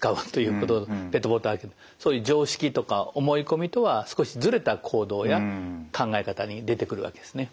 そういう常識とか思い込みとは少しズレた行動や考え方に出てくるわけですね。